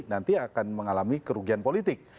nanti akan mengalami kerugian politik